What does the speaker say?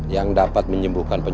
jangan lupa untuk berikan duit